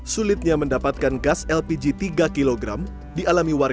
pertama gas lpg tiga kg di jombang